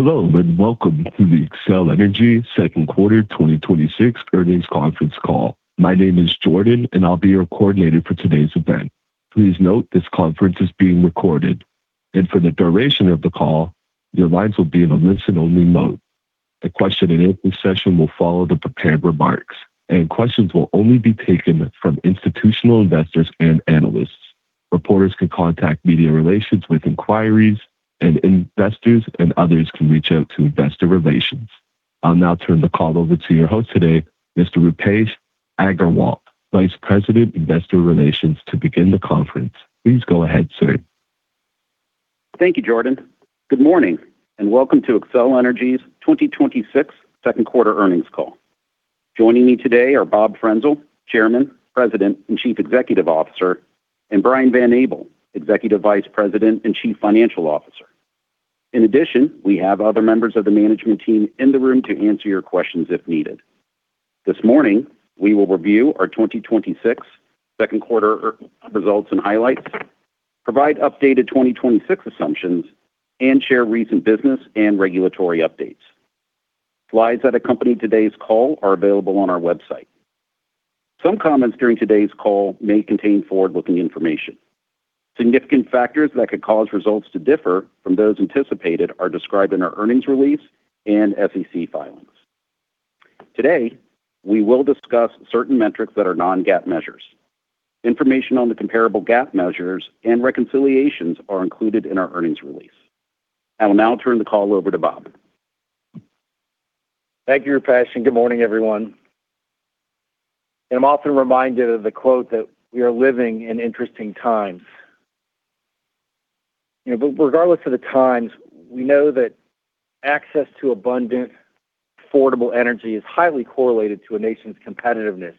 Hello, and welcome to the Xcel Energy second quarter 2026 earnings conference call. My name is Jordan, and I'll be your coordinator for today's event. Please note this conference is being recorded, and for the duration of the call, your lines will be in a listen-only mode. A question and answer session will follow the prepared remarks, and questions will only be taken from institutional investors and analysts. Reporters can contact media relations with inquiries, and investors and others can reach out to investor relations. I'll now turn the call over to your host today, Mr. Roopesh Aggarwal, Vice President, Investor Relations, to begin the conference. Please go ahead, sir. Thank you, Jordan. Good morning, and welcome to Xcel Energy's 2026 second quarter earnings call. Joining me today are Bob Frenzel, Chairman, President, and Chief Executive Officer, and Brian Van Abel, Executive Vice President and Chief Financial Officer. In addition, we have other members of the management team in the room to answer your questions if needed. This morning, we will review our 2026 second quarter results and highlights, provide updated 2026 assumptions, and share recent business and regulatory updates. Slides that accompany today's call are available on our website. Some comments during today's call may contain forward-looking information. Significant factors that could cause results to differ from those anticipated are described in our earnings release and SEC filings. Today, we will discuss certain metrics that are non-GAAP measures. Information on the comparable GAAP measures and reconciliations are included in our earnings release. I will now turn the call over to Bob. Thank you, Roopesh, and good morning, everyone. I'm often reminded of the quote that we are living in interesting times. Regardless of the times, we know that access to abundant, affordable energy is highly correlated to a nation's competitiveness,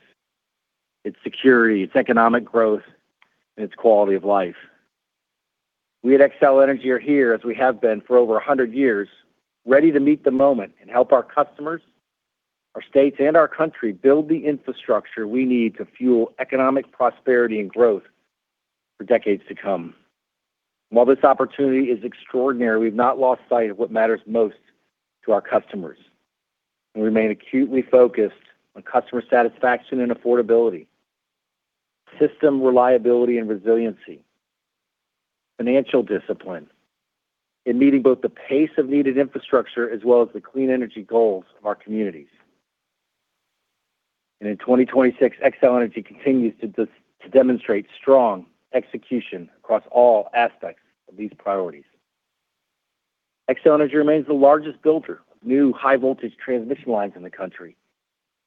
its security, its economic growth, and its quality of life. We at Xcel Energy are here, as we have been for over 100 years, ready to meet the moment and help our customers, our states, and our country build the infrastructure we need to fuel economic prosperity and growth for decades to come. While this opportunity is extraordinary, we've not lost sight of what matters most to our customers and remain acutely focused on customer satisfaction and affordability, system reliability and resiliency, financial discipline, and meeting both the pace of needed infrastructure as well as the clean energy goals of our communities. In 2026, Xcel Energy continues to demonstrate strong execution across all aspects of these priorities. Xcel Energy remains the largest builder of new high-voltage transmission lines in the country.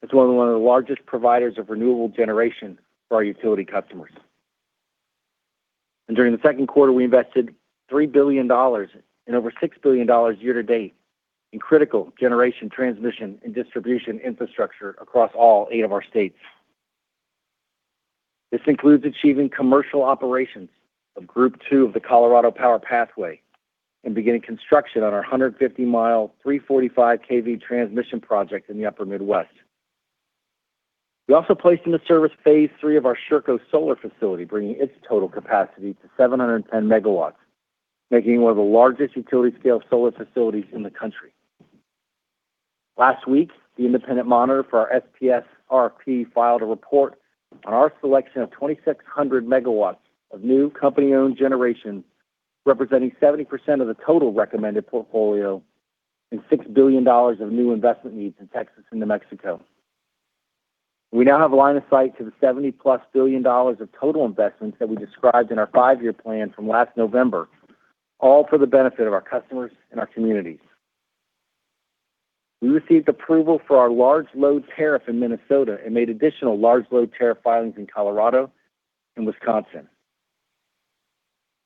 It is one of the largest providers of renewable generation for our utility customers. During the second quarter, we invested $3 billion and over $6 billion year-to-date in critical generation transmission and distribution infrastructure across all eight of our states. This includes achieving commercial operations of Group 2 of the Colorado's Power Pathway and beginning construction on our 150 mi, 345 kV transmission project in the Upper Midwest. We also placed into service phase III of our Sherco Solar facility, bringing its total capacity to 710 MW, making it one of the largest utility-scale solar facilities in the country. Last week, the independent monitor for our SPS RFP filed a report on our selection of 2,600 MW of new company-owned generation, representing 70% of the total recommended portfolio and $6 billion of new investment needs in Texas and New Mexico. We now have a line of sight to the $70+ billion of total investments that we described in our five-year plan from last November, all for the benefit of our customers and our communities. We received approval for our Large Load Tariff in Minnesota and made additional Large Load Tariff filings in Colorado and Wisconsin.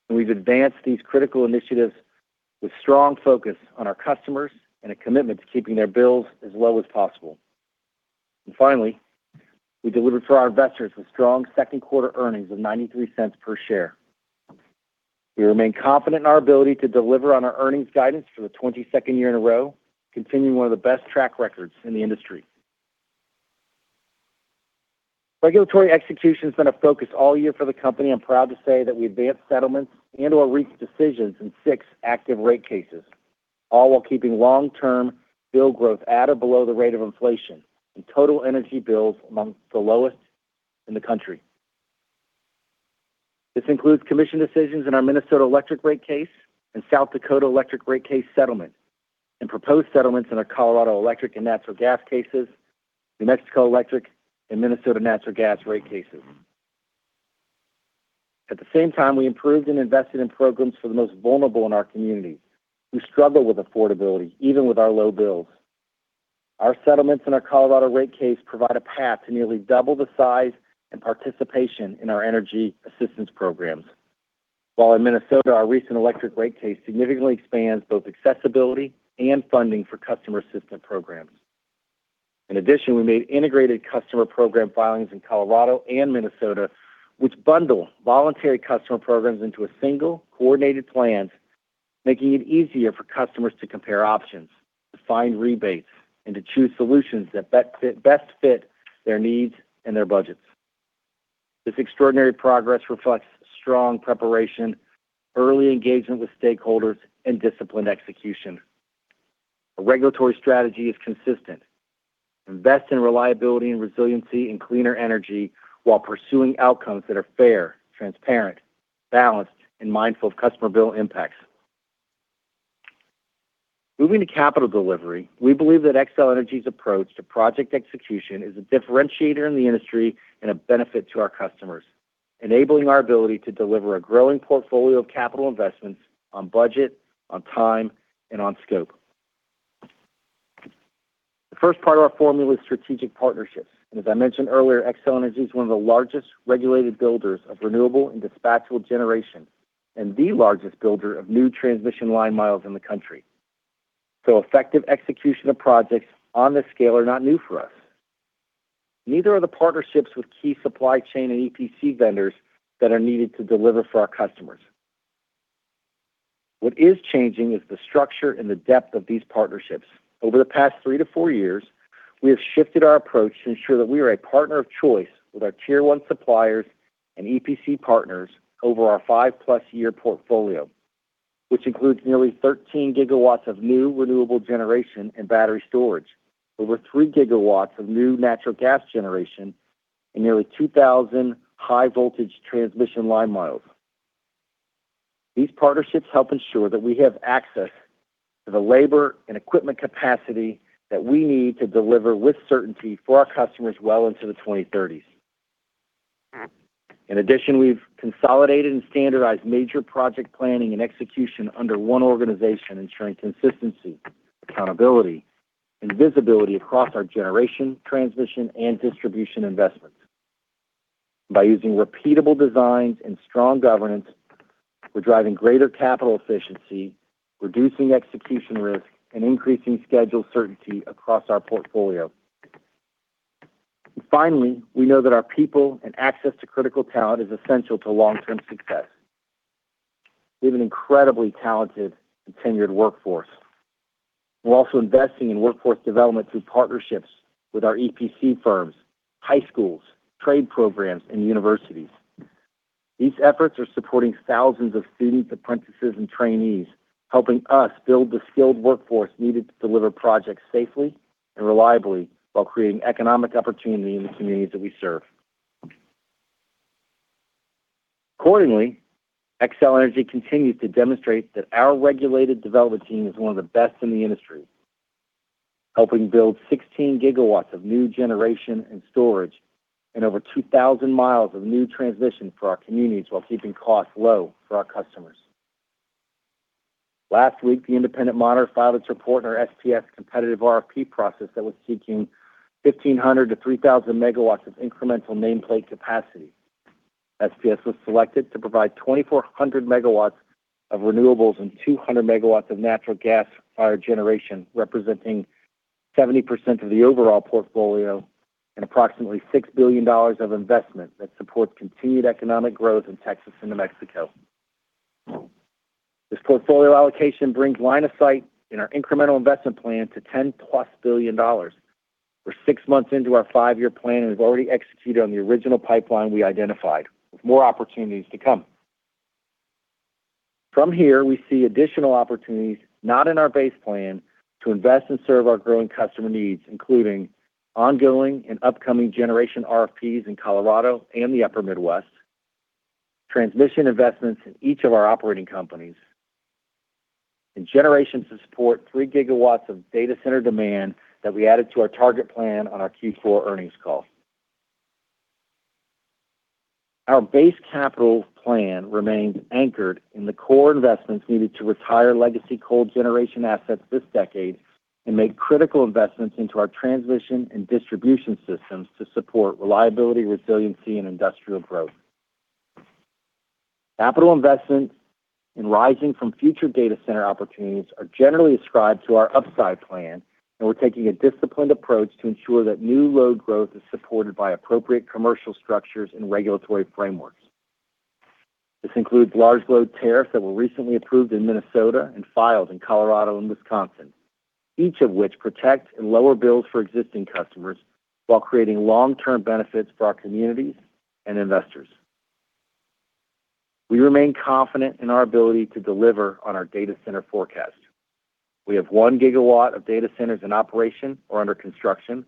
We have advanced these critical initiatives with strong focus on our customers and a commitment to keeping their bills as low as possible. Finally, we delivered for our investors with strong second quarter earnings of $0.93 per share. We remain confident in our ability to deliver on our earnings guidance for the 22nd year in a row, continuing one of the best track records in the industry. Regulatory execution has been a focus all year for the company. I am proud to say that we advanced settlements and/or reached decisions in six active rate cases, all while keeping long-term bill growth at or below the rate of inflation and total energy bills amongst the lowest in the country. This includes commission decisions in our Minnesota electric rate case and South Dakota electric rate case settlement, and proposed settlements in our Colorado electric and natural gas cases, New Mexico electric, and Minnesota natural gas rate cases. At the same time, we improved and invested in programs for the most vulnerable in our community who struggle with affordability, even with our low bills. Our settlements in our Colorado rate case provide a path to nearly double the size and participation in our energy assistance programs. While in Minnesota, our recent electric rate case significantly expands both accessibility and funding for customer assistance programs. In addition, we made integrated customer program filings in Colorado and Minnesota, which bundle voluntary customer programs into a single coordinated plan, making it easier for customers to compare options, to find rebates, and to choose solutions that best fit their needs and their budgets. This extraordinary progress reflects strong preparation, early engagement with stakeholders, and disciplined execution. Our regulatory strategy is consistent. Invest in reliability and resiliency and cleaner energy while pursuing outcomes that are fair, transparent, balanced, and mindful of customer bill impacts. Moving to capital delivery, we believe that Xcel Energy's approach to project execution is a differentiator in the industry and a benefit to our customers, enabling our ability to deliver a growing portfolio of capital investments on budget, on time, and on scope. The first part of our formula is strategic partnerships. As I mentioned earlier, Xcel Energy is one of the largest regulated builders of renewable and dispatchable generation, and the largest builder of new transmission line miles in the country. Effective execution of projects on this scale are not new for us. Neither are the partnerships with key supply chain and EPC vendors that are needed to deliver for our customers. What is changing is the structure and the depth of these partnerships. Over the past three to four years, we have shifted our approach to ensure that we are a partner of choice with our tier 1 suppliers and EPC partners over our five plus year portfolio, which includes nearly 13 GW of new renewable generation and battery storage, over 3 GW of new natural gas generation, and nearly 2,000 mi high voltage transmission line. These partnerships help ensure that we have access to the labor and equipment capacity that we need to deliver with certainty for our customers well into the 2030s. In addition, we've consolidated and standardized major project planning and execution under one organization, ensuring consistency, accountability, and visibility across our generation, transmission, and distribution investments. By using repeatable designs and strong governance, we're driving greater capital efficiency, reducing execution risk, and increasing schedule certainty across our portfolio. Finally, we know that our people and access to critical talent is essential to long-term success. We have an incredibly talented and tenured workforce. We're also investing in workforce development through partnerships with our EPC firms, high schools, trade programs, and universities. These efforts are supporting thousands of students, apprentices, and trainees, helping us build the skilled workforce needed to deliver projects safely and reliably while creating economic opportunity in the communities that we serve. Accordingly, Xcel Energy continues to demonstrate that our regulated development team is one of the best in the industry, helping build 16 GW of new generation and storage and over 2,000 mi of new transmission for our communities while keeping costs low for our customers. Last week, the independent monitor filed its report on our SPS competitive RFP process that was seeking 1,500 MW-3,000 MW of incremental nameplate capacity. SPS was selected to provide 2,400 MW of renewables and 200 MW of natural gas-fired generation, representing 70% of the overall portfolio and approximately $6 billion of investment that supports continued economic growth in Texas and New Mexico. This portfolio allocation brings line of sight in our incremental investment plan to $10+ billion. We're six months into our five year plan and have already executed on the original pipeline we identified, with more opportunities to come. From here, we see additional opportunities not in our base plan to invest and serve our growing customer needs, including ongoing and upcoming generation RFPs in Colorado and the upper Midwest, transmission investments in each of our operating companies, and generations to support 3 GW of data center demand that we added to our target plan on our Q4 earnings call. Our base capital plan remains anchored in the core investments needed to retire legacy coal generation assets this decade and make critical investments into our transmission and distribution systems to support reliability, resiliency, and industrial growth. Capital investments arising from future data center opportunities are generally ascribed to our upside plan, and we're taking a disciplined approach to ensure that new load growth is supported by appropriate commercial structures and regulatory frameworks. This includes Large Load Tariffs that were recently approved in Minnesota and filed in Colorado and Wisconsin, each of which protect and lower bills for existing customers while creating long-term benefits for our communities and investors. We remain confident in our ability to deliver on our data center forecast. We have 1 GW of data centers in operation or under construction,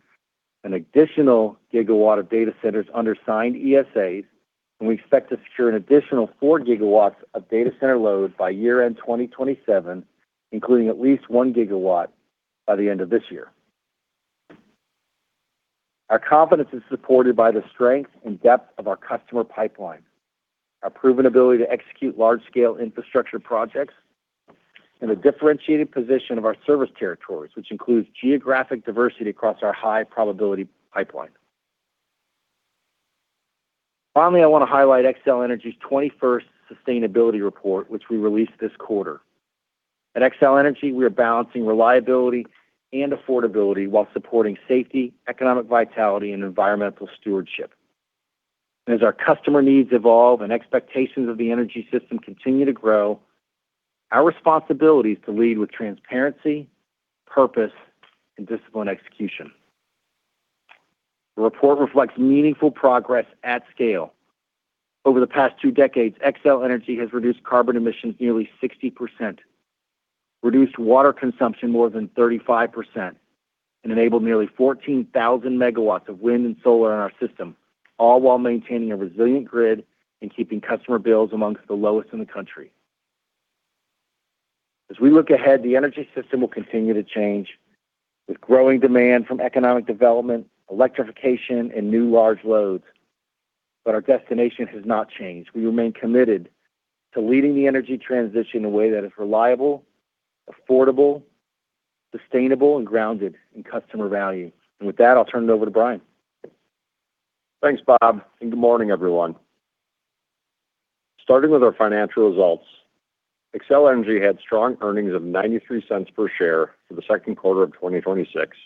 an additional 1 GW of data centers under signed ESAs, and we expect to secure an additional 4 GW of data center load by year-end 2027, including at least 1 GW by the end of this year. Our confidence is supported by the strength and depth of our customer pipeline, our proven ability to execute large-scale infrastructure projects, and the differentiated position of our service territories, which includes geographic diversity across our high probability pipeline. Finally, I want to highlight Xcel Energy's 21st Sustainability Report, which we released this quarter. At Xcel Energy, we are balancing reliability and affordability while supporting safety, economic vitality, and environmental stewardship. As our customer needs evolve and expectations of the energy system continue to grow, our responsibility is to lead with transparency, purpose, and disciplined execution. The report reflects meaningful progress at scale. Over the past two decades, Xcel Energy has reduced carbon emissions nearly 60%, reduced water consumption more than 35%, and enabled nearly 14,000 MW of wind and solar in our system, all while maintaining a resilient grid and keeping customer bills amongst the lowest in the country. As we look ahead, the energy system will continue to change with growing demand from economic development, electrification, and new large loads. Our destination has not changed. We remain committed to leading the energy transition in a way that is reliable, affordable, sustainable, and grounded in customer value. With that, I'll turn it over to Brian. Thanks, Bob. Good morning, everyone. Starting with our financial results, Xcel Energy had strong earnings of $0.93 per share for the second quarter of 2026,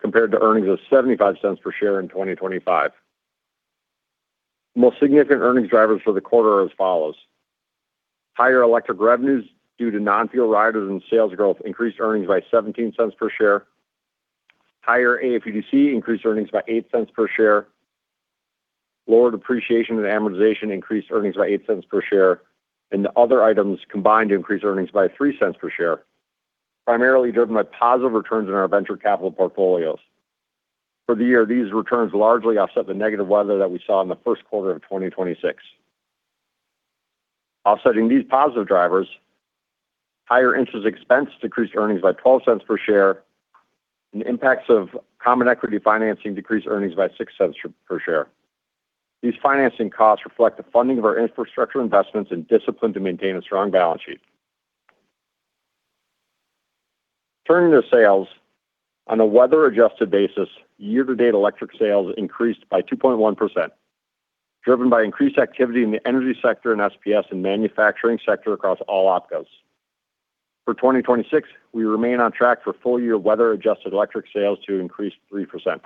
compared to earnings of $0.75 per share in 2025. Most significant earnings drivers for the quarter are as follows. Higher electric revenues due to non-fuel riders and sales growth increased earnings by $0.17 per share. Higher AFUDC increased earnings by $0.08 per share. Lower depreciation and amortization increased earnings by $0.08 per share. The other items combined increased earnings by $0.03 per share, primarily driven by positive returns in our venture capital portfolios. For the year, these returns largely offset the negative weather that we saw in the first quarter of 2026. Offsetting these positive drivers, higher interest expense decreased earnings by $0.12 per share, and the impacts of common equity financing decreased earnings by $0.06 per share. These financing costs reflect the funding of our infrastructure investments and discipline to maintain a strong balance sheet. Turning to sales. On a weather-adjusted basis, year-to-date electric sales increased by 2.1%, driven by increased activity in the energy sector and SPS and manufacturing sector across all OpCos. For 2026, we remain on track for full-year weather-adjusted electric sales to increase 3%.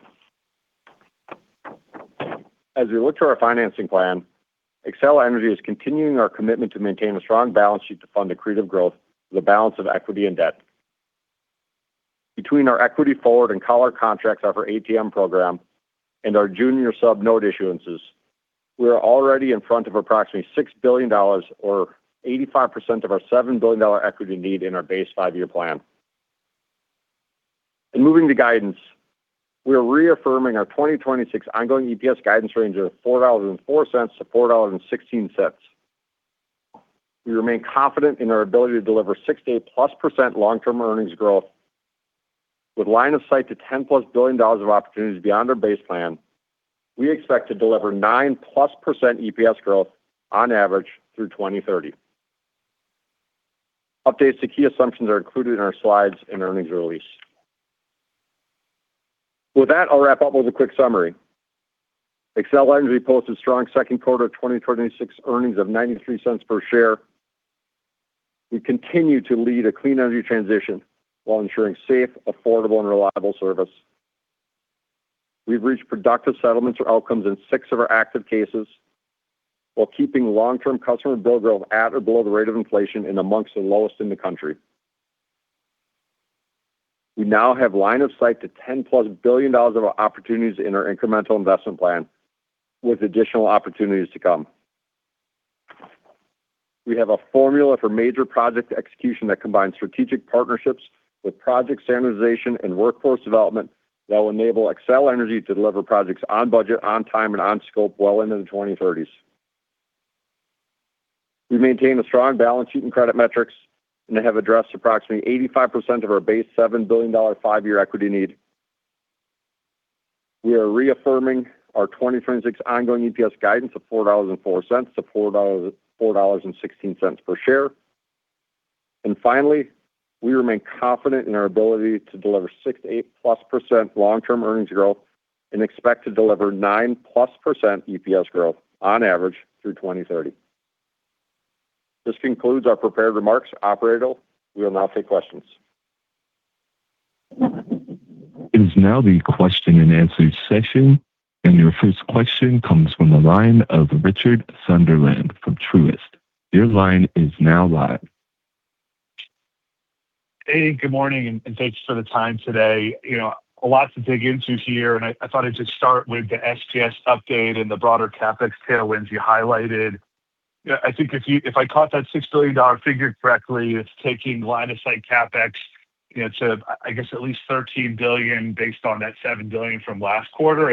As we look to our financing plan, Xcel Energy is continuing our commitment to maintain a strong balance sheet to fund accretive growth with a balance of equity and debt. Between our equity forward and collar contracts, our ATM program, and our junior sub-note issuances, we are already in front of approximately $6 billion or 85% of our $7 billion equity need in our base five-year plan. Moving to guidance, we are reaffirming our 2026 ongoing EPS guidance range of $4.04-$4.16. We remain confident in our ability to deliver 6% to 8%+ long-term earnings growth. With line of sight to $10+ billion of opportunities beyond our base plan, we expect to deliver 9%+ EPS growth on average through 2030. Updates to key assumptions are included in our slides and earnings release. With that, I'll wrap up with a quick summary. Xcel Energy posted strong second quarter 2026 earnings of $0.93 per share. We continue to lead a clean energy transition while ensuring safe, affordable, and reliable service. We've reached productive settlements or outcomes in six of our active cases while keeping long-term customer bill growth at or below the rate of inflation and amongst the lowest in the country. We now have line of sight to $10+ billion of opportunities in our incremental investment plan, with additional opportunities to come. We have a formula for major project execution that combines strategic partnerships with project standardization and workforce development that will enable Xcel Energy to deliver projects on budget, on time, and on scope well into the 2030s. We maintain a strong balance sheet and credit metrics and have addressed approximately 85% of our base $7 billion five-year equity need. We are reaffirming our 2026 ongoing EPS guidance of $4.04-$4.16 per share. Finally, we remain confident in our ability to deliver 6% to 8%+ long-term earnings growth and expect to deliver 9%+ EPS growth on average through 2030. This concludes our prepared remarks. Operator, we will now take questions. It is now the question and answer session, your first question comes from the line of Richard Sunderland from Truist. Your line is now live. Good morning, thanks for the time today. A lot to dig into here, I thought I'd just start with the SPS update and the broader CapEx tailwinds you highlighted. I think if I caught that $6 billion figure correctly, it's taking line of sight CapEx to, I guess, at least $13 billion based on that $7 billion from last quarter.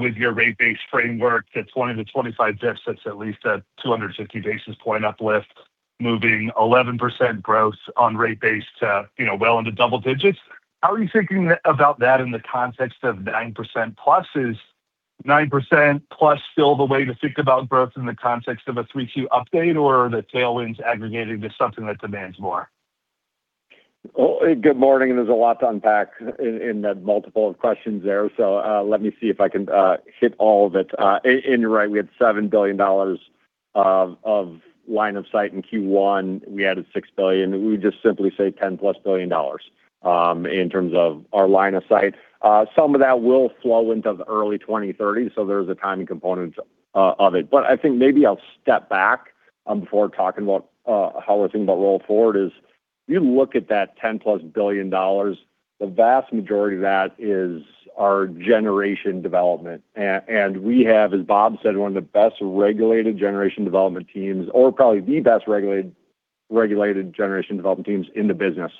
With your rate base framework to 20-25 dips, that's at least a 250 basis point uplift, moving 11% gross on rate base to well into double digits. How are you thinking about that in the context of the 9%+? Is 9%+ still the way to think about growth in the context of a 3Q update, or are the tailwinds aggregating to something that demands more? Good morning, there's a lot to unpack in the multiple of questions there. Let me see if I can hit all of it. You're right, we had $7 billion of line of sight in Q1. We added $6 billion. We would just simply say $10+ billion in terms of our line of sight. Some of that will flow into the early 2030s, so there is a timing component of it. I think maybe I'll step back before talking about how we're thinking about roll forward. You look at that $10+ billion, the vast majority of that is our generation development. We have, as Bob said, one of the best regulated generation development teams, or probably the best regulated generation development teams in the business.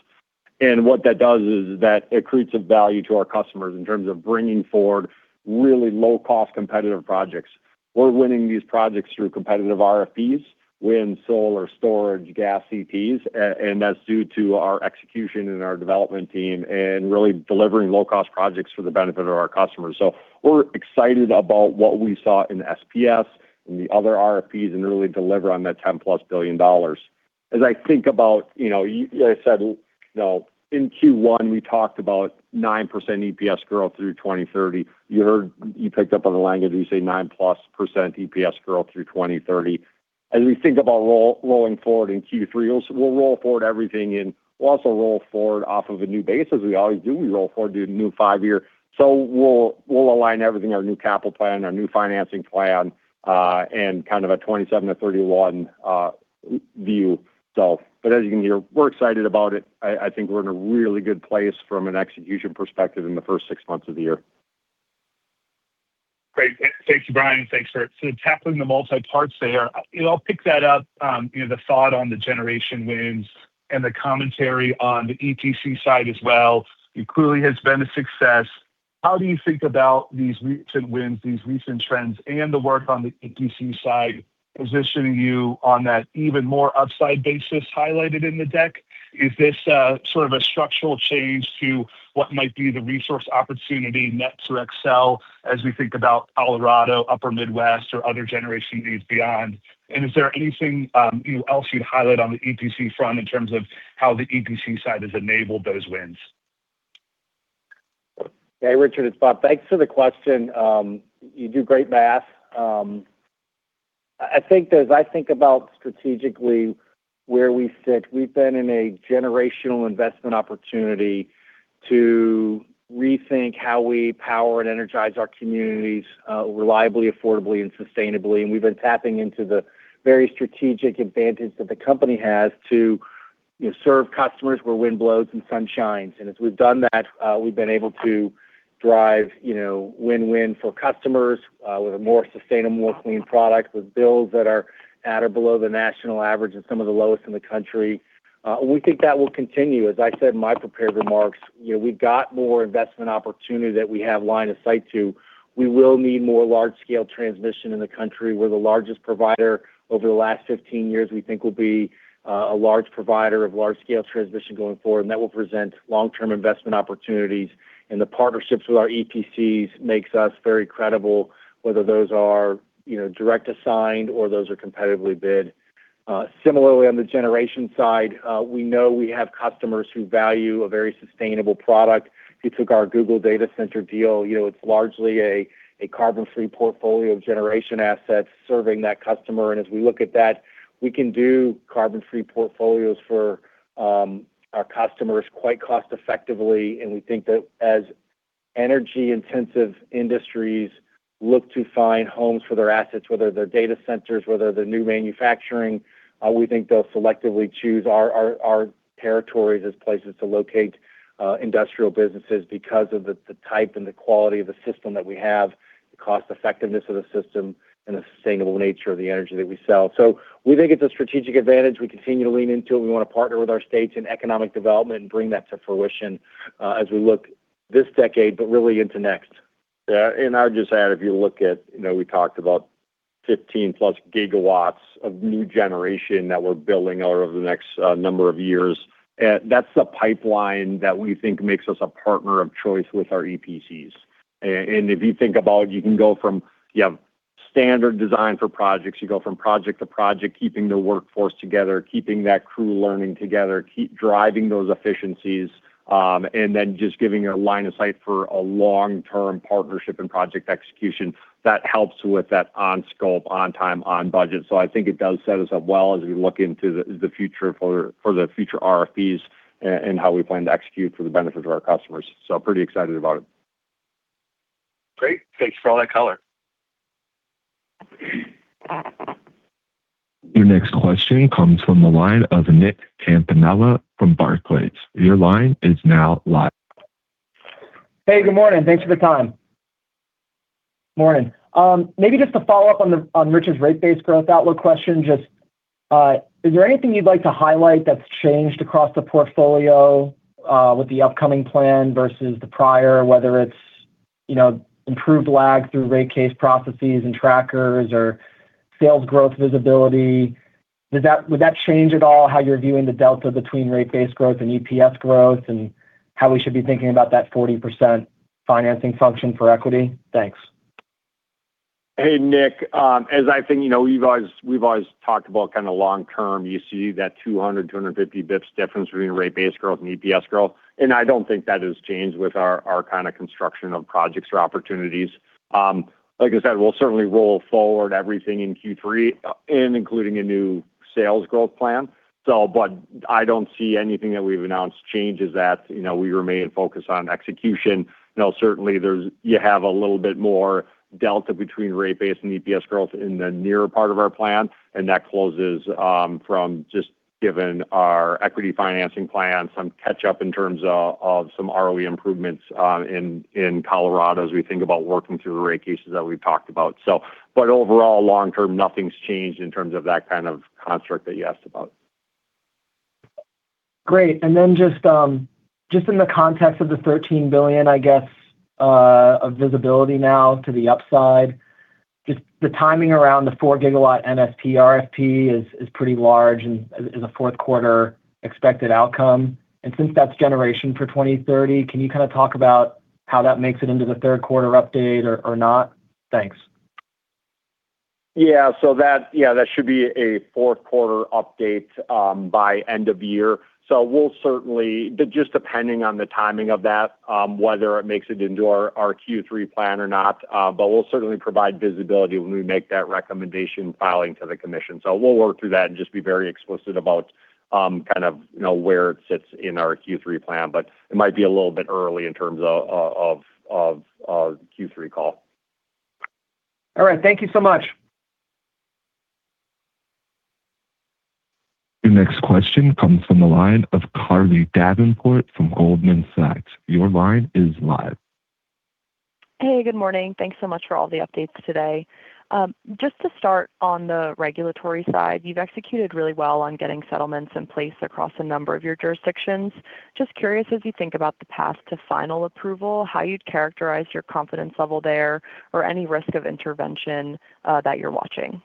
What that does is that it creates a value to our customers in terms of bringing forward really low-cost competitive projects. We're winning these projects through competitive RFPs, wind, solar, storage, gas CTs, that's due to our execution and our development team and really delivering low-cost projects for the benefit of our customers. We're excited about what we saw in SPS and the other RFPs, really deliver on that $10+ billion. As I think about, as I said, in Q1, we talked about 9% EPS growth through 2030. You picked up on the language, we say 9%+ EPS growth through 2030. As we think about rolling forward in Q3, we'll roll forward everything in. We'll also roll forward off of a new basis, as we always do. We roll forward to the new five year. We'll align everything, our new capital plan, our new financing plan, and a 2027-2031 view. As you can hear, we're excited about it. I think we're in a really good place from an execution perspective in the first six months of the year. Great. Thanks, Brian. Thanks for tackling the multi-parts there. I'll pick that up, the thought on the generation wins and the commentary on the EPC side as well. It clearly has been a success. How do you think about these recent wins, these recent trends, and the work on the EPC side positioning you on that even more upside basis highlighted in the deck? Is this a structural change to what might be the resource opportunity net to Xcel as we think about Colorado, Upper Midwest, or other generation needs beyond? Is there anything else you'd highlight on the EPC front in terms of how the EPC side has enabled those wins? Hey, Richard, it's Bob. Thanks for the question. You do great math. As I think about strategically where we sit, we've been in a generational investment opportunity to rethink how we power and energize our communities reliably, affordably, and sustainably. We've been tapping into the very strategic advantage that the company has to serve customers where wind blows and sun shines. As we've done that, we've been able to drive win-win for customers with a more sustainable, more clean product with bills that are at or below the national average and some of the lowest in the country. We think that will continue. As I said in my prepared remarks, we've got more investment opportunity that we have line of sight to. We will need more large-scale transmission in the country. We're the largest provider over the last 15 years, we think we'll be a large provider of large-scale transmission going forward, and that will present long-term investment opportunities. The partnerships with our EPCs makes us very credible, whether those are direct assigned or those are competitively bid. Similarly, on the generation side, we know we have customers who value a very sustainable product. If you took our Google data center deal, it's largely a carbon-free portfolio of generation assets serving that customer. As we look at that, we can do carbon-free portfolios for our customers quite cost-effectively, and we think that as energy-intensive industries look to find homes for their assets, whether they're data centers, whether they're new manufacturing, we think they'll selectively choose our territories as places to locate industrial businesses because of the type and the quality of the system that we have, the cost effectiveness of the system, and the sustainable nature of the energy that we sell. We think it's a strategic advantage. We continue to lean into it. We want to partner with our states in economic development and bring that to fruition as we look this decade, but really into next. I would just add, if you look at, we talked about 15+ GW of new generation that we're building out over the next number of years. That's the pipeline that we think makes us a partner of choice with our EPCs. If you think about, you can go from standard design for projects. You go from project to project, keeping the workforce together, keeping that crew learning together, keep driving those efficiencies, and then just giving a line of sight for a long-term partnership and project execution that helps with that on scope, on time, on budget. I think it does set us up well as we look into the future for the future RFPs and how we plan to execute for the benefit of our customers. Pretty excited about it. Great. Thanks for all that color. Your next question comes from the line of Nick Campanella from Barclays. Your line is now live. Hey, good morning. Thanks for the time. Morning. Maybe just to follow up on Richard's rate base growth outlook question, just is there anything you'd like to highlight that's changed across the portfolio with the upcoming plan versus the prior, whether it's improved lag through rate case processes and trackers or sales growth visibility? Would that change at all how you're viewing the delta between rate base growth and EPS growth and how we should be thinking about that 40% financing function for equity? Thanks. Hey, Nick. As I think, we've always talked about long-term, you see that 200-250 bips difference between rate base growth and EPS growth. I don't think that has changed with our kind of construction of projects or opportunities. Like I said, we'll certainly roll forward everything in Q3, including a new sales growth plan. I don't see anything that we've announced changes that. We remain focused on execution. Certainly, you have a little bit more delta between rate base and EPS growth in the nearer part of our plan. That closes from just given our equity financing plan, some catch up in terms of some ROE improvements in Colorado as we think about working through the rate cases that we've talked about. Overall, long-term, nothing's changed in terms of that kind of construct that you asked about. Great. Then just in the context of the $13 billion, I guess, of visibility now to the upside, just the timing around the 4 GW MSP RFP is pretty large and is a fourth quarter expected outcome. Since that's generation for 2030, can you kind of talk about how that makes it into the third quarter update or not? Thanks. Yeah. That should be a fourth quarter update by end of year. We'll certainly, just depending on the timing of that, whether it makes it into our Q3 plan or not, we'll certainly provide visibility when we make that recommendation filing to the commission. We'll work through that and just be very explicit about where it sits in our Q3 plan. It might be a little bit early in terms of our Q3 call. All right. Thank you so much. Your next question comes from the line of Carly Davenport from Goldman Sachs. Your line is live. Hey, good morning. Thanks so much for all the updates today. Just to start on the regulatory side, you've executed really well on getting settlements in place across a number of your jurisdictions. Just curious, as you think about the path to final approval, how you'd characterize your confidence level there or any risk of intervention that you're watching?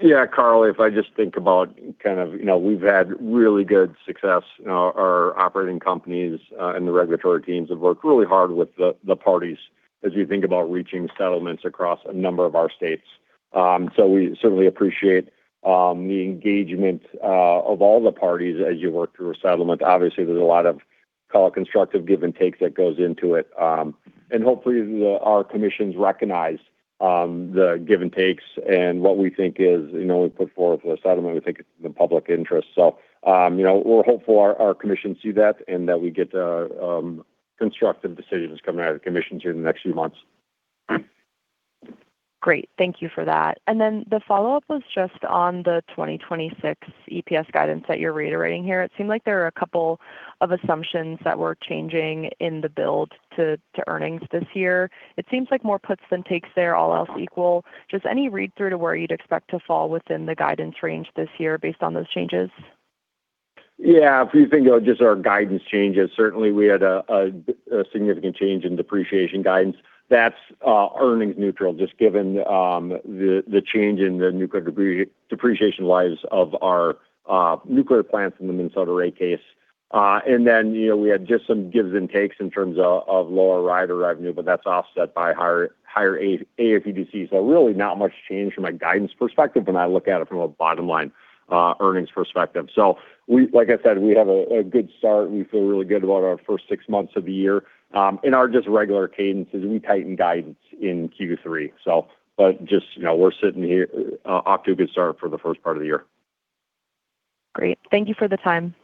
Yeah, Carly, if I just think about kind of, we've had really good success in our operating companies, and the regulatory teams have worked really hard with the parties as we think about reaching settlements across a number of our states. We certainly appreciate the engagement of all the parties as you work through a settlement. Obviously, there's a lot of call it constructive give and takes that goes into it. Hopefully, our commissions recognize the give and takes and what we think is, we put forward for the settlement, we think it's in the public interest. We're hopeful our commissions see that and that we get constructive decisions coming out of the commissions here in the next few months. Great. Thank you for that. The follow-up was just on the 2026 EPS guidance that you're reiterating here. It seemed like there were a couple of assumptions that were changing in the build to earnings this year. It seems like more puts than takes there, all else equal. Just any read-through to where you'd expect to fall within the guidance range this year based on those changes? Yeah. If you think of just our guidance changes, certainly we had a significant change in depreciation guidance. That's earnings neutral, just given the change in the nuclear depreciation lives of our nuclear plants in the Minnesota rate case. We had just some gives and takes in terms of lower rider revenue, but that's offset by higher AFUDC. Really not much change from a guidance perspective when I look at it from a bottom-line earnings perspective. Like I said, we have a good start. We feel really good about our first six months of the year. In our just regular cadences, we tighten guidance in Q3. We're sitting here off to a good start for the first part of the year. Great. Thank you for the time.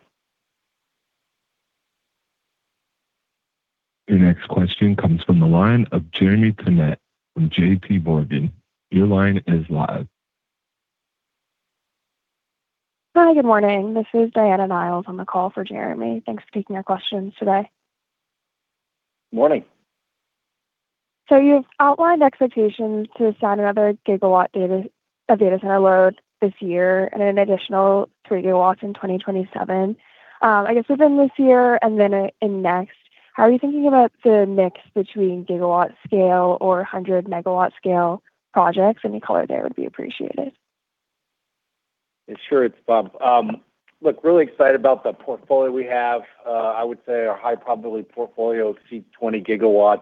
Your next question comes from the line of Jeremy Tonet from JPMorgan. Your line is live. Hi, good morning. This is Diana Niles on the call for Jeremy. Thanks for taking our questions today. Morning. You've outlined expectations to sign another gigawatt of data center load this year and an additional 3 GW in 2027. I guess within this year and then in next, how are you thinking about the mix between gigawatt scale or 100 MW scale projects? Any color there would be appreciated. Sure. It's Bob. Look, really excited about the portfolio we have. I would say our high probability portfolio exceeds 20 GW.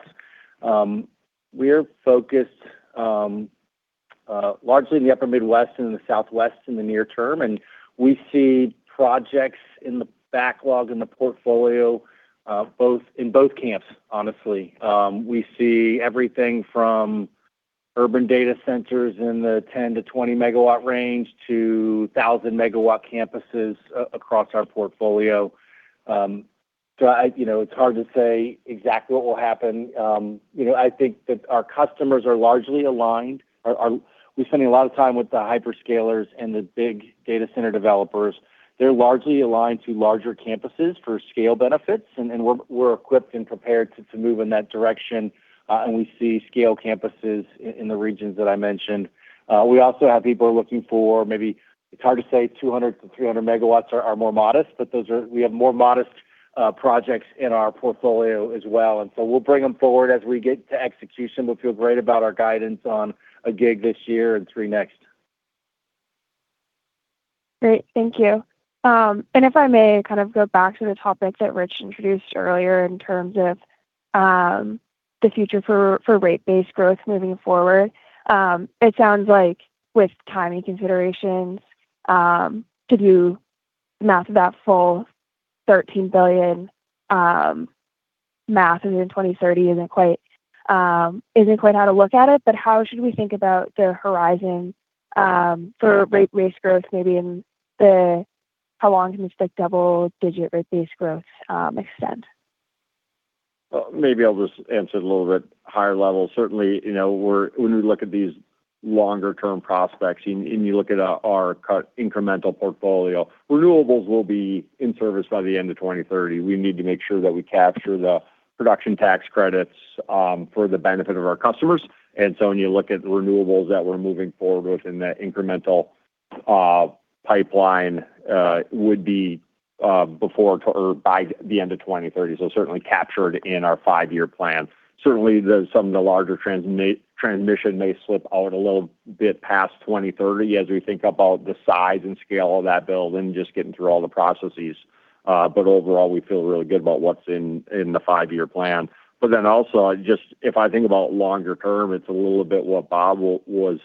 We're focused largely in the upper Midwest and in the Southwest in the near term, and we see projects in the backlog in the portfolio in both camps, honestly. We see everything from urban data centers in the 10 MW-20 MW range to 1,000 MW campuses across our portfolio. It's hard to say exactly what will happen. I think that our customers are largely aligned. We're spending a lot of time with the hyperscalers and the big data center developers. They're largely aligned to larger campuses for scale benefits, and we're equipped and prepared to move in that direction, and we see scale campuses in the regions that I mentioned. We also have people who are looking for maybe, it's hard to say 200 MW to 300 MW are more modest, but we have more modest projects in our portfolio as well. We'll bring them forward as we get to execution. We'll feel great about our guidance on a gig this year and three next. Thank you. If I may kind of go back to the topic that Rich introduced earlier in terms of the future for rate base growth moving forward. It sounds like with timing considerations to do that full $13 billion, that's in 2030 isn't quite how to look at it, but how should we think about the horizon for rate base growth? Maybe how long can this double-digit rate base growth extend? Maybe I'll just answer it a little bit higher level. Certainly, when we look at these longer-term prospects and you look at our incremental portfolio, renewables will be in service by the end of 2030. We need to make sure that we capture the production tax credits for the benefit of our customers. When you look at renewables that we're moving forward with in that incremental pipeline would be before or by the end of 2030. Certainly captured in our five-year plan. Certainly, some of the larger transmission may slip out a little bit past 2030 as we think about the size and scale of that build and just getting through all the processes. Overall, we feel really good about what's in the five-year plan. Also, if I think about longer term, it's a little bit what Bob was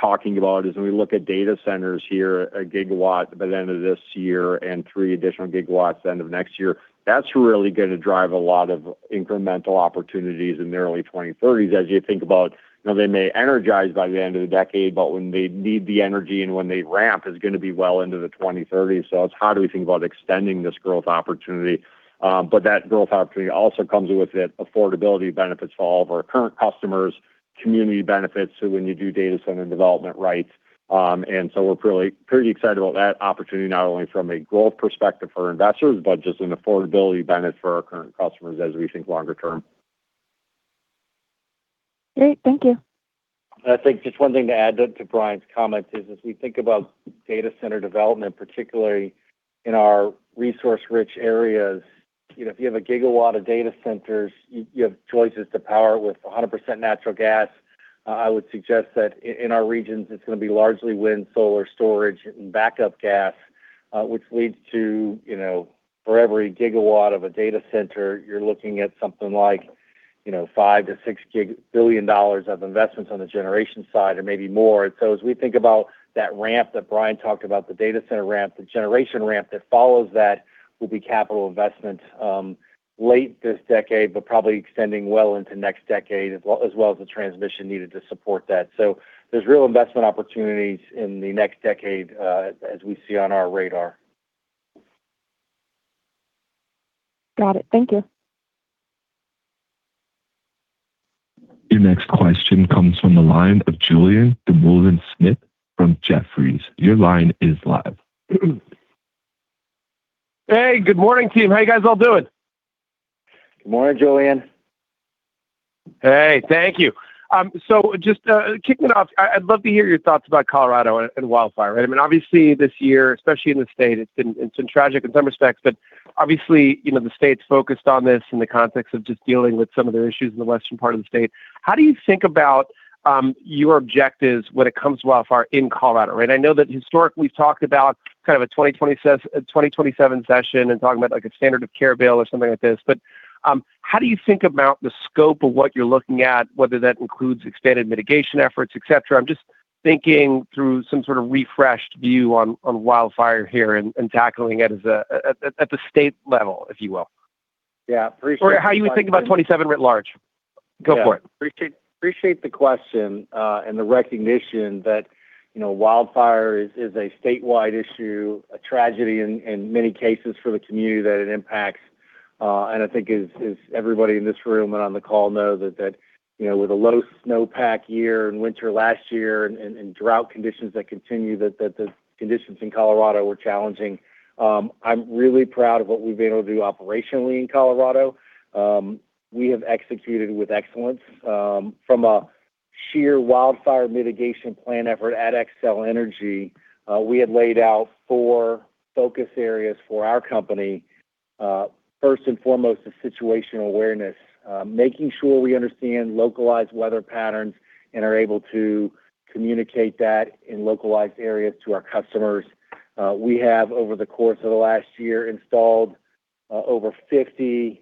talking about, is when we look at data centers here, 1 GW by the end of this year and three additional gigawatts the end of next year. That's really going to drive a lot of incremental opportunities in the early 2030s, as you think about, they may energize by the end of the decade, but when they need the energy and when they ramp is going to be well into the 2030s. It's how do we think about extending this growth opportunity? That growth opportunity also comes with it affordability benefits for all of our current customers, community benefits, so when you do data center development rights. We're pretty excited about that opportunity, not only from a growth perspective for our investors, but just an affordability benefit for our current customers as we think longer term. Great. Thank you. I think just one thing to add to Brian's comment is, as we think about data center development, particularly in our resource-rich areas, if you have a gigawatt of data centers, you have choices to power it with 100% natural gas. I would suggest that in our regions, it's going to be largely wind, solar storage, and backup gas, which leads to, for every gigawatt of a data center, you're looking at something like $5 billion-$6 billion of investments on the generation side or maybe more. As we think about that ramp that Brian talked about, the data center ramp, the generation ramp that follows that will be capital investment late this decade, but probably extending well into next decade, as well as the transmission needed to support that. There's real investment opportunities in the next decade, as we see on our radar. Got it. Thank you. Your next question comes from the line of Julien Dumoulin-Smith from Jefferies. Your line is live. Hey, good morning, team. How you guys all doing? Good morning, Julien. Hey, thank you. Just kicking off, I'd love to hear your thoughts about Colorado and wildfire. Obviously, this year, especially in the state, it's been tragic in some respects, but obviously, the state's focused on this in the context of just dealing with some of the issues in the western part of the state. How do you think about your objectives when it comes to wildfire in Colorado? I know that historically we've talked about a 2027 session and talking about a standard of care bill or something like this. How do you think about the scope of what you're looking at, whether that includes expanded mitigation efforts, et cetera? I'm just thinking through some sort of refreshed view on wildfire here and tackling it at the state level, if you will. Yeah, appreciate that. How you would think about 2027 writ large. Go for it. Yeah. Appreciate the question, and the recognition that wildfire is a statewide issue, a tragedy in many cases for the community that it impacts. I think as everybody in this room and on the call know that with a low snowpack year in winter last year and drought conditions that continue, the conditions in Colorado were challenging. I'm really proud of what we've been able to do operationally in Colorado. We have executed with excellence. From a sheer wildfire mitigation plan effort at Xcel Energy, we had laid out four focus areas for our company. First and foremost is situational awareness. Making sure we understand localized weather patterns and are able to communicate that in localized areas to our customers. We have, over the course of the last year, installed over 50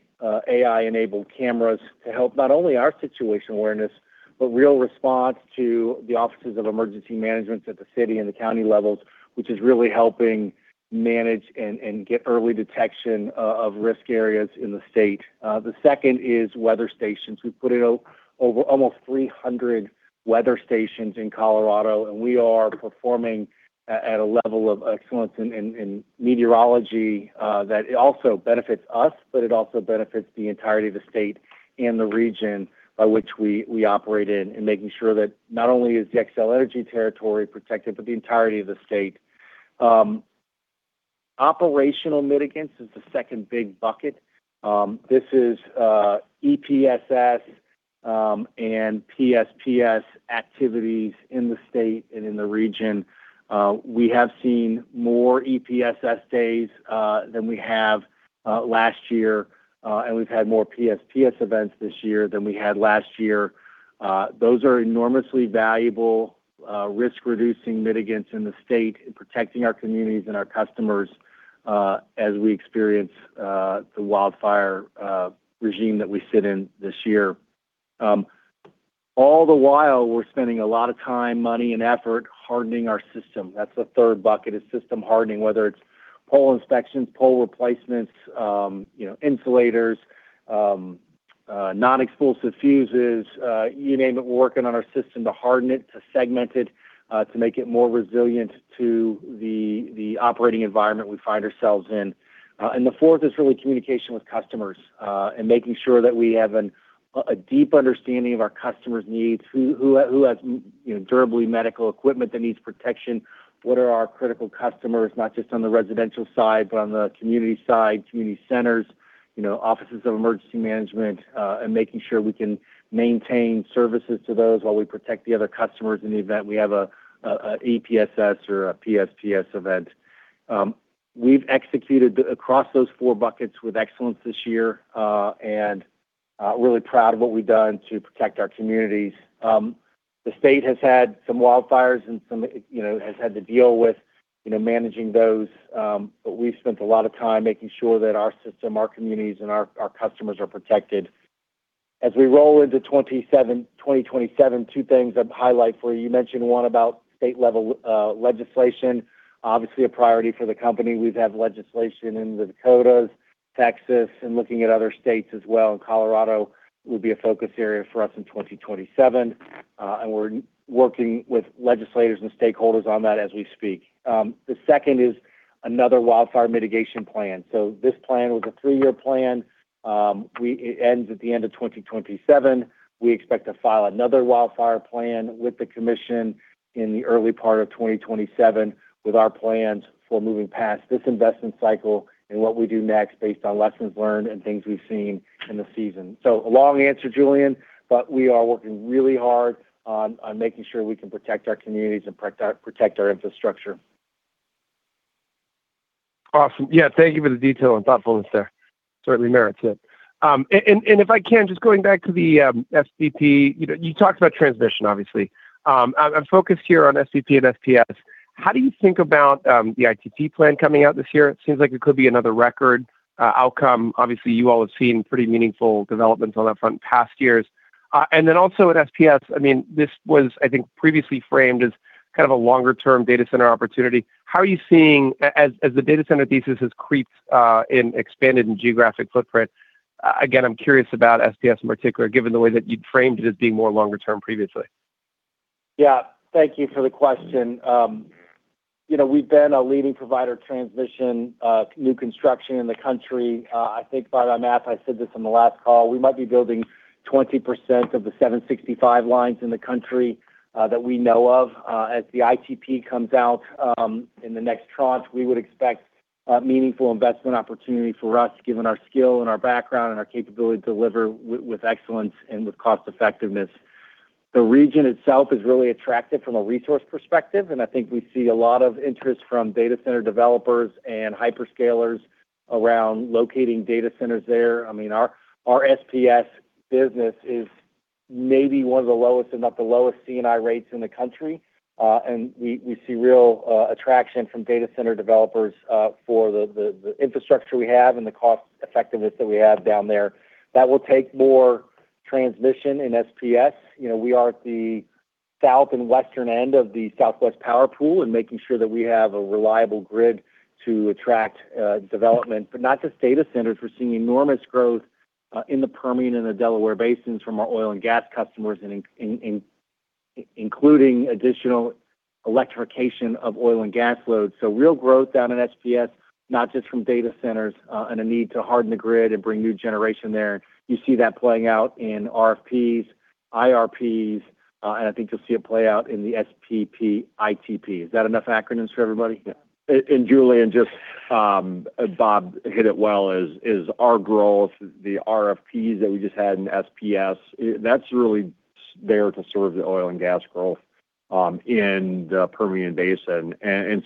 AI-enabled cameras to help not only our situation awareness, but real response to the offices of emergency management at the city and the county levels, which is really helping manage and get early detection of risk areas in the state. The second is weather stations. We've put in almost 300 weather stations in Colorado, and we are performing at a level of excellence in meteorology that it also benefits us, but it also benefits the entirety of the state and the region by which we operate in making sure that not only is the Xcel Energy territory protected, but the entirety of the state. Operational mitigants is the second big bucket. This is EPSS and PSPS activities in the state and in the region. We have seen more EPSS days than we have last year, and we've had more PSPS events this year than we had last year. Those are enormously valuable, risk-reducing mitigants in the state in protecting our communities and our customers, as we experience the wildfire regime that we sit in this year. All the while, we're spending a lot of time, money, and effort hardening our system. That's the third bucket is system hardening, whether it's pole inspections, pole replacements, insulators, non-explosive fuses, you name it. We're working on our system to harden it, to segment it, to make it more resilient to the operating environment we find ourselves in. The fourth is really communication with customers, and making sure that we have a deep understanding of our customers' needs. Who has durable medical equipment that needs protection? What are our critical customers, not just on the residential side, but on the community side, community centers? Offices of Emergency Management and making sure we can maintain services to those while we protect the other customers in the event we have a EPSS or a PSPS event. We've executed across those four buckets with excellence this year, really proud of what we've done to protect our communities. The state has had some wildfires and has had to deal with managing those. We've spent a lot of time making sure that our system, our communities, and our customers are protected. As we roll into 2027, two things I'd highlight for you. You mentioned one about state-level legislation. Obviously, a priority for the company. We've had legislation in the Dakotas, Texas, looking at other states as well, and Colorado will be a focus area for us in 2027. We're working with legislators and stakeholders on that as we speak. The second is another wildfire mitigation plan. This plan was a three-year plan. It ends at the end of 2027. We expect to file another wildfire plan with the commission in the early part of 2027 with our plans for moving past this investment cycle and what we do next based on lessons learned and things we've seen in the season. A long answer, Julien, we are working really hard on making sure we can protect our communities and protect our infrastructure. Awesome. Yeah, thank you for the detail and thoughtfulness there. Certainly merits it. If I can, just going back to the SPP. You talked about transmission, obviously. I'm focused here on SPP and SPS. How do you think about the ITP plan coming out this year? It seems like it could be another record outcome. Obviously, you all have seen pretty meaningful developments on that front in past years. Then also at SPS, this was, I think, previously framed as a longer-term data center opportunity. How are you seeing, as the data center thesis has creeps in expanded in geographic footprint, again, I'm curious about SPS in particular, given the way that you'd framed it as being more longer term previously. Yeah. Thank you for the question. We've been a leading provider of transmission new construction in the country. I think if I recall, I said this on the last call, we might be building 20% of the 765 kV lines in the country that we know of. As the ITP comes out in the next tranche, we would expect meaningful investment opportunity for us, given our skill and our background and our capability to deliver with excellence and with cost effectiveness. The region itself is really attractive from a resource perspective, I think we see a lot of interest from data center developers and hyperscalers around locating data centers there. Our SPS business is maybe one of the lowest, if not the lowest C&I rates in the country. We see real attraction from data center developers for the infrastructure we have and the cost effectiveness that we have down there. That will take more transmission in SPS. We are at the south and western end of the Southwest Power Pool and making sure that we have a reliable grid to attract development. Not just data centers. We're seeing enormous growth in the Permian and the Delaware Basins from our oil and gas customers, including additional electrification of oil and gas loads. Real growth down in SPS, not just from data centers, and a need to harden the grid and bring new generation there. You see that playing out in RFPs, IRPs, and I think you'll see it play out in the SPP, ITP. Is that enough acronyms for everybody? Yeah. Julien, just Bob hit it well, is our growth, the RFPs that we just had in SPS, that's really there to serve the oil and gas growth in the Permian Basin.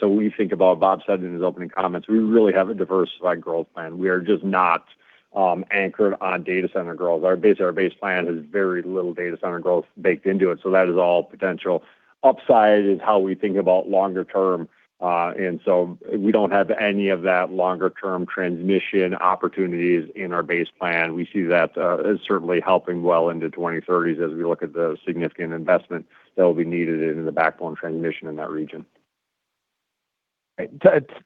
We think about what Bob said in his opening comments. We really have a diversified growth plan. We are just not anchored on data center growth. Our base plan has very little data center growth baked into it, that is all potential upside is how we think about longer term. We don't have any of that longer-term transmission opportunities in our base plan. We see that as certainly helping well into the 2030s as we look at the significant investment that will be needed in the backbone transmission in that region.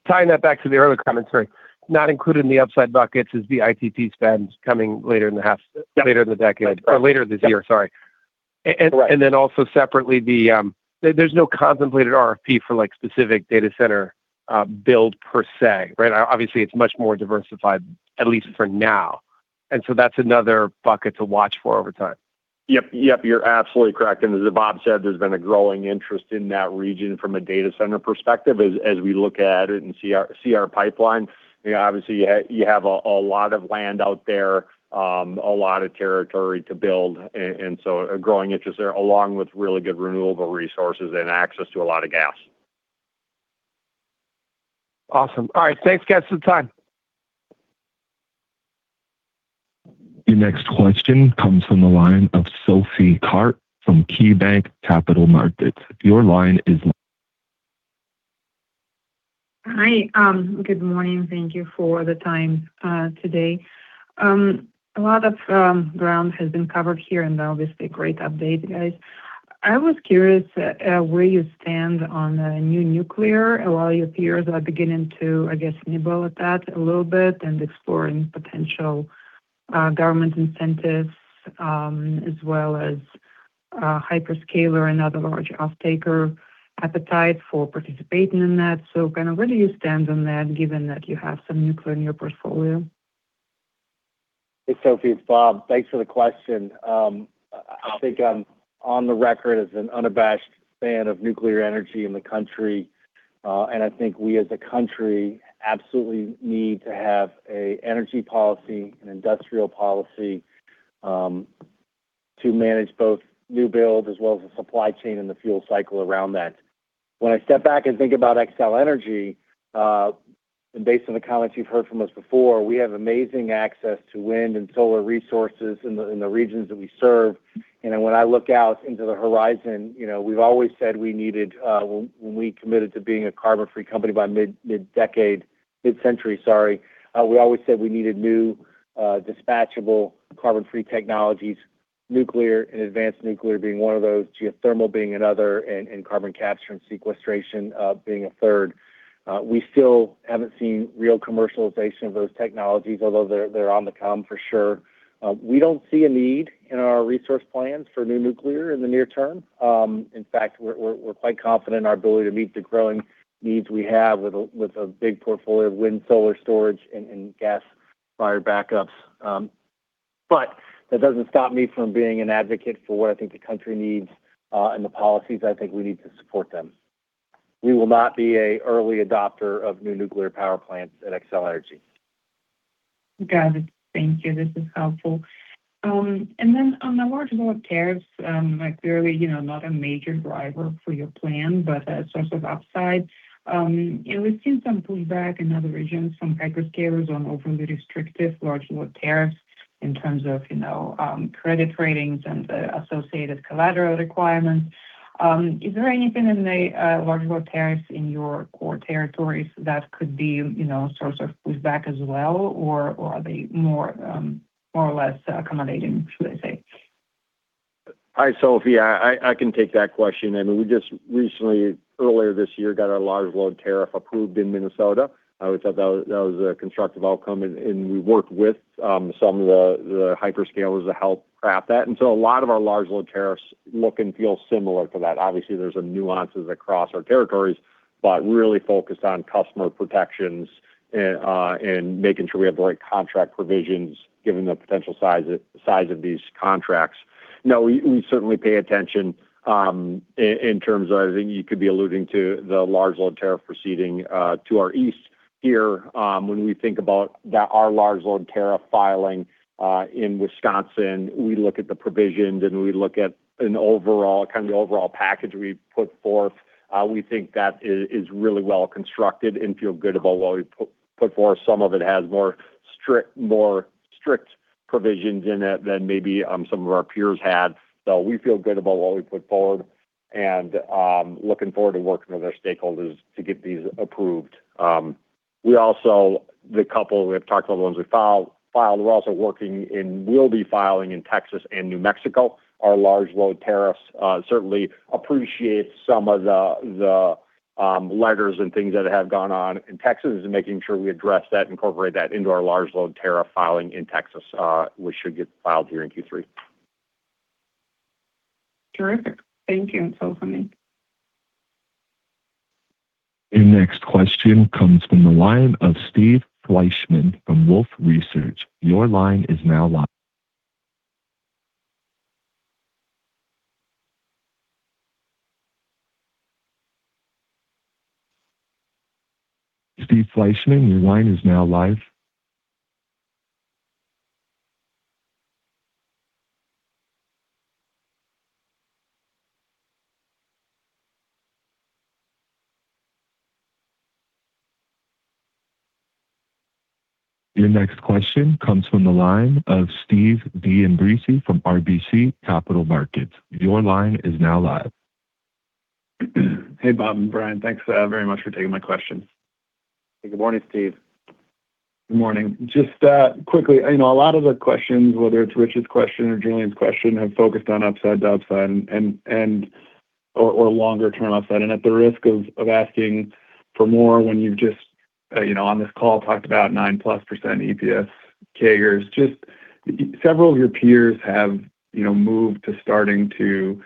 Tying that back to the earlier comment, sorry. Not included in the upside buckets is the ITP spends coming later in the half later in the decade, or later this year, sorry. Yep. Correct. Also separately, there's no contemplated RFP for specific data center build per se, right? Obviously, it's much more diversified, at least for now. That's another bucket to watch for over time. Yep. You're absolutely correct. As Bob said, there's been a growing interest in that region from a data center perspective as we look at it and see our pipeline. Obviously, you have a lot of land out there, a lot of territory to build. So a growing interest there, along with really good renewable resources and access to a lot of gas. Awesome. All right. Thanks, guys, for the time. Your next question comes from the line of Sophie Karp from KeyBanc Capital Markets. Your line is open. Hi. Good morning. Thank you for the time today. A lot of ground has been covered here. Obviously great update, guys. I was curious where you stand on the new nuclear. A lot of your peers are beginning to, I guess, nibble at that a little bit and exploring potential government incentives, as well as hyperscaler and other large offtaker appetite for participating in that. Where do you stand on that given that you have some nuclear in your portfolio? Hey, Sophie, it's Bob. Thanks for the question. I think I'm on the record as an unabashed fan of nuclear energy in the country. I think we as a country absolutely need to have an energy policy and industrial policy to manage both new builds as well as the supply chain and the fuel cycle around that. When I step back and think about Xcel Energy, based on the comments you've heard from us before, we have amazing access to wind and solar resources in the regions that we serve. When I look out into the horizon, we've always said when we committed to being a carbon-free company by mid-century, we always said we needed new, dispatchable, carbon-free technologies, nuclear and advanced nuclear being one of those, geothermal being another, and carbon capture and sequestration being a third. We still haven't seen real commercialization of those technologies, although they're on the come for sure. We don't see a need in our resource plans for new nuclear in the near term. In fact, we're quite confident in our ability to meet the growing needs we have with a big portfolio of wind, solar storage, and gas fire backups. That doesn't stop me from being an advocate for what I think the country needs, and the policies I think we need to support them. We will not be an early adopter of new nuclear power plants at Xcel Energy. Got it. Thank you. This is helpful. On the large load tariffs, clearly, not a major driver for your plan, but a source of upside. We've seen some pushback in other regions from hyperscalers on overly restrictive large load tariffs in terms of credit ratings and the associated collateral requirements. Is there anything in the large load tariffs in your core territories that could be a source of pushback as well? Or are they more or less accommodating, should I say? Hi, Sophie. I can take that question. We just recently, earlier this year, got our large load tariff approved in Minnesota. I would say that was a constructive outcome and we worked with some of the hyperscalers to help craft that. A lot of our large load tariffs look and feel similar to that. Obviously, there's nuances across our territories, but really focused on customer protections and making sure we have the right contract provisions given the potential size of these contracts. No, we certainly pay attention in terms of, I think you could be alluding to the large load tariff proceeding to our east here. When we think about our large load tariff filing in Wisconsin, we look at the provisions, and we look at the overall package we put forth. We think that is really well-constructed and feel good about what we put forth. Some of it has more strict provisions in it than maybe some of our peers had. We feel good about what we put forward and looking forward to working with our stakeholders to get these approved. The couple we have talked about, the ones we filed, we're also working in, will be filing in Texas and New Mexico. Our large load tariffs certainly appreciate some of the letters and things that have gone on in Texas and making sure we address that, incorporate that into our large load tariff filing in Texas, which should get filed here in Q3. Terrific. Thank you. Your next question comes from the line of Steve Fleishman from Wolfe Research. Your line is now live. Steve Fleishman, your line is now live. Your next question comes from the line of Steve D'Ambrisi from RBC Capital Markets. Your line is now live. Hey, Bob and Brian. Thanks very much for taking my questions. Hey, good morning, Steve. Good morning. Just quickly, a lot of the questions, whether it's Richard's question or Julien's question, have focused on upside downside or longer-term upside. At the risk of asking for more when you've just, on this call, talked about 9%+ EPS CAGRs, several of your peers have moved to starting to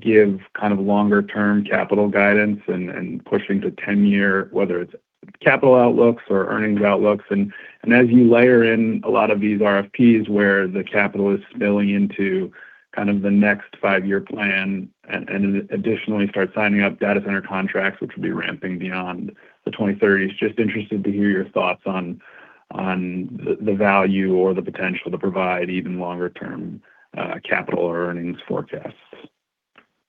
give kind of longer-term capital guidance and pushing to 10-year, whether it's capital outlooks or earnings outlooks. As you layer in a lot of these RFPs where the capital is spilling into kind of the next five-year plan and additionally start signing up data center contracts, which will be ramping beyond the 2030s, just interested to hear your thoughts on the value or the potential to provide even longer-term capital or earnings forecasts.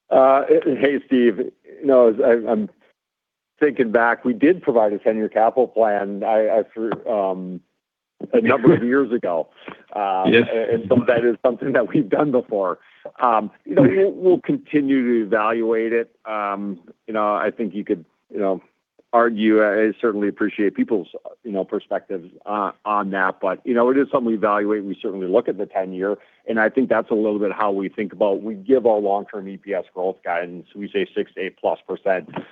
Hey, Steve. As I'm thinking back, we did provide a 10-year capital plan a number of years ago. Yes. That is something that we've done before. We'll continue to evaluate it. I think you could argue, I certainly appreciate people's perspectives on that. It is something we evaluate, and we certainly look at the 10-year, and I think that's a little bit how we think about. We give our long-term EPS growth guidance. We say 6% to 8%+,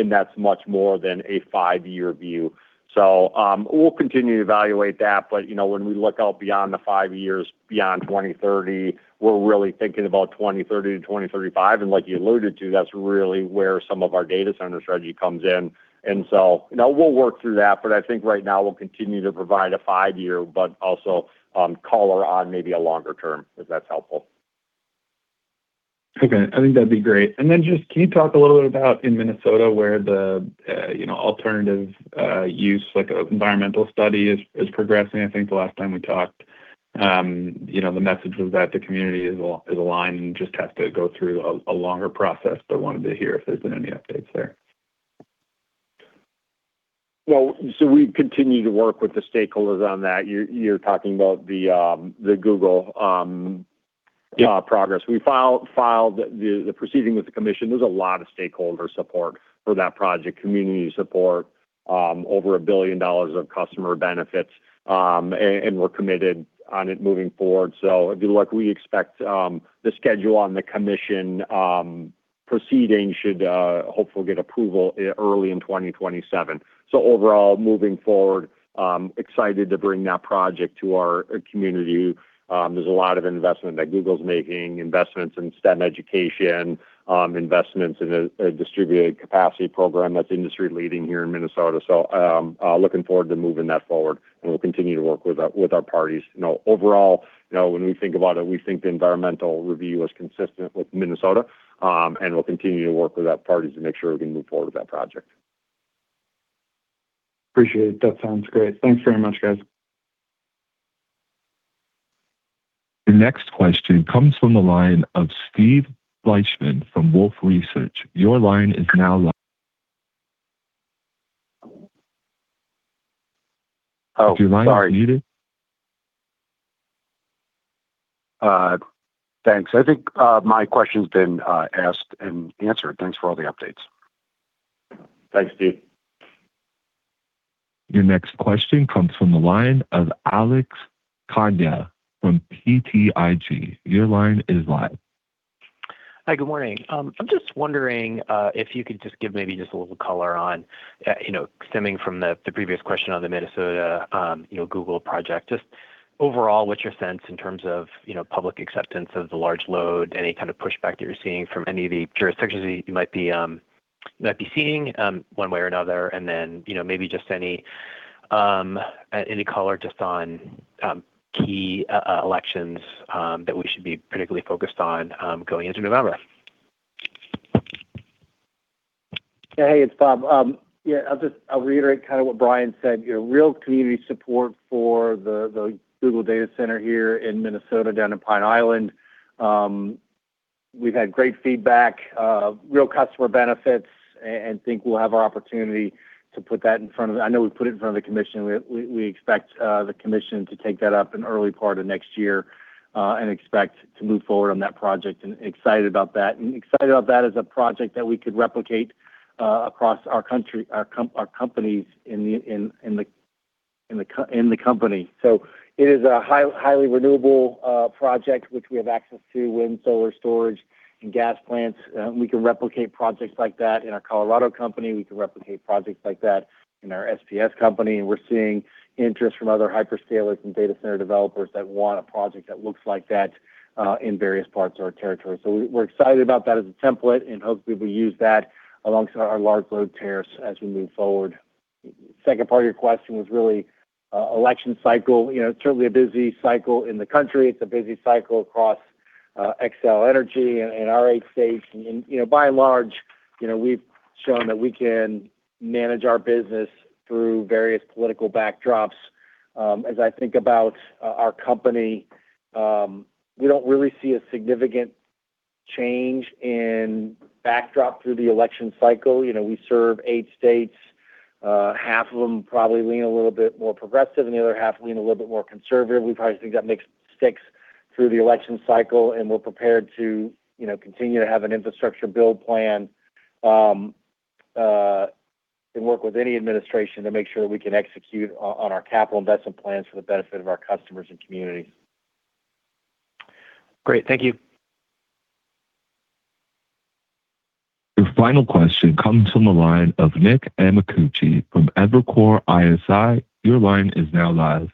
and that's much more than a five year view. We'll continue to evaluate that. When we look out beyond the five years, beyond 2030, we're really thinking about 2030-2035. Like you alluded to, that's really where some of our data center strategy comes in. We'll work through that, but I think right now we'll continue to provide a five year, but also call out maybe a longer term, if that's helpful. Okay. I think that'd be great. Just can you talk a little bit about in Minnesota where the alternative use, like environmental study is progressing? I think the last time we talked, the message was that the community is aligned and just has to go through a longer process, but wanted to hear if there's been any updates there. We continue to work with the stakeholders on that. You're talking about the Google progress. Yeah. We filed the proceeding with the commission. There's a lot of stakeholder support for that project, community support, over $1 billion of customer benefits. We're committed on it moving forward. If you look, we expect, the schedule on the commission proceeding should hopefully get approval early in 2027. Overall, moving forward, excited to bring that project to our community. There's a lot of investment that Google's making, investments in STEM education, investments in a distributed capacity program that's industry-leading here in Minnesota. Looking forward to moving that forward, we'll continue to work with our parties. Overall, when we think about it, we think the environmental review is consistent with Minnesota, we'll continue to work with our parties to make sure we can move forward with that project. Appreciate it. That sounds great. Thanks very much, guys. The next question comes from the line of Steve Fleishman from Wolfe Research. Your line is now live. Oh, sorry. Is your line unmuted? Thanks. I think my question's been asked and answered. Thanks for all the updates. Thanks, Steve. Your next question comes from the line of Alex Kania from BTIG. Your line is live. Hi, good morning. I'm just wondering if you could just give maybe just a little color on, stemming from the previous question on the Minnesota Google project. Just overall, what's your sense in terms of public acceptance of the large load, any kind of pushback that you're seeing from any of the jurisdictions that you might be seeing, one way or another? Then, maybe just any color just on key elections that we should be particularly focused on going into November? Hey, it's Bob. Yeah, I'll reiterate kind of what Brian said. Real community support for the Google data center here in Minnesota down in Pine Island. We've had great feedback, real customer benefits, and think we'll have our opportunity to put that in front of the commission. We expect the commission to take that up in early part of next year, expect to move forward on that project, and excited about that. Excited about that as a project that we could replicate across our companies in the company. It is a highly renewable project, which we have access to wind, solar storage, and gas plants. We can replicate projects like that in our Colorado company. We can replicate projects like that in our SPS company. We're seeing interest from other hyperscalers and data center developers that want a project that looks like that in various parts of our territory. We're excited about that as a template and hopefully we'll use that alongside our large load tariffs as we move forward. Second part of your question was really election cycle. Certainly a busy cycle in the country. It's a busy cycle across Xcel Energy and our eight states. By and large, we've shown that we can manage our business through various political backdrops. As I think about our company, we don't really see a significant change in backdrop through the election cycle. We serve eight states. Half of them probably lean a little bit more progressive, and the other half lean a little bit more conservative. We probably think that mix sticks through the election cycle, and we're prepared to continue to have an infrastructure build plan, and work with any administration to make sure that we can execute on our capital investment plans for the benefit of our customers and communities. Great. Thank you. Your final question comes from the line of Nick Amicucci from Evercore ISI. Your line is now live.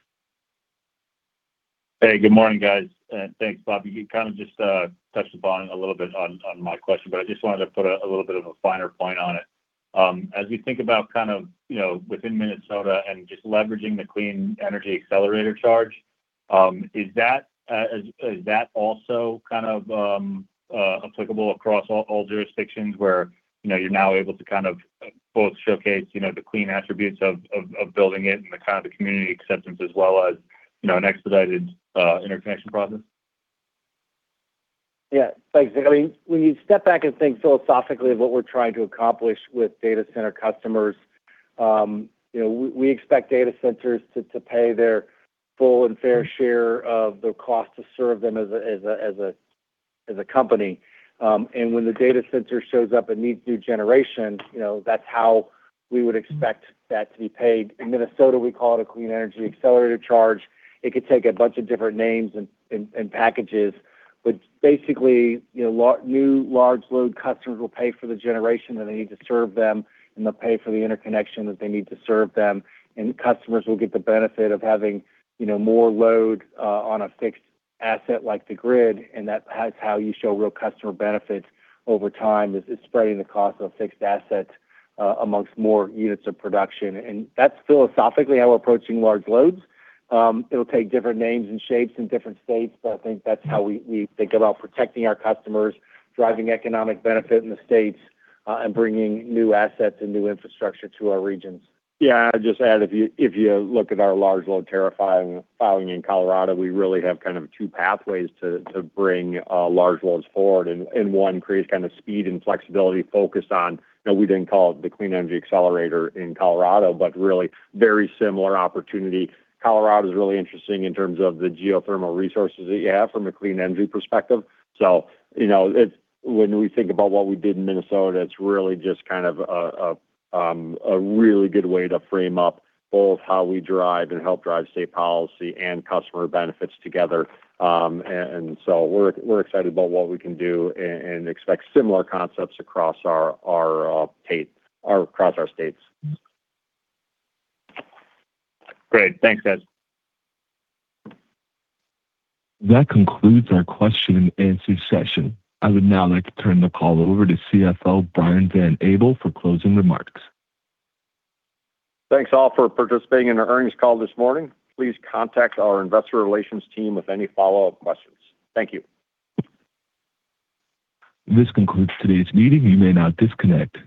Hey, good morning, guys, and thanks, Bob. You kind of just touched upon a little bit on my question. I just wanted to put a little bit of a finer point on it. As we think about kind of within Minnesota and just leveraging the Clean Energy Accelerator Charge, is that also kind of applicable across all jurisdictions where you're now able to kind of both showcase the clean attributes of building it and the kind of the community acceptance as well as an expedited interconnection process? Yeah, thanks, Nick. When you step back and think philosophically of what we're trying to accomplish with data center customers, we expect data centers to pay their full and fair share of the cost to serve them as a company. When the data center shows up and needs new generation, that's how we would expect that to be paid. In Minnesota, we call it a Clean Energy Accelerator Charge. It could take a bunch of different names and packages. Basically, new large load customers will pay for the generation that they need to serve them, and they'll pay for the interconnection that they need to serve them. Customers will get the benefit of having more load on a fixed asset like the grid, and that's how you show real customer benefits over time, is spreading the cost of fixed assets amongst more units of production. That's philosophically how we're approaching large loads. It'll take different names and shapes in different states. I think that's how we think about protecting our customers, driving economic benefit in the states, and bringing new assets and new infrastructure to our regions. Yeah, I'd just add, if you look at our Large Load Tariff filing in Colorado, we really have kind of two pathways to bring large loads forward. One creates kind of speed and flexibility focused on, we didn't call it the Clean Energy Accelerator in Colorado, but really very similar opportunity. Colorado is really interesting in terms of the geothermal resources that you have from a clean energy perspective. When we think about what we did in Minnesota, it's really just kind of a really good way to frame up both how we drive and help drive state policy and customer benefits together. We're excited about what we can do and expect similar concepts across our states. Great. Thanks, guys. That concludes our question and answer session. I would now like to turn the call over to CFO Brian Van Abel for closing remarks. Thanks all for participating in our earnings call this morning. Please contact our investor relations team with any follow-up questions. Thank you. This concludes today's meeting. You may now disconnect.